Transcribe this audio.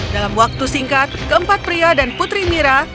dalam waktu singkat keempat pria dan putri mira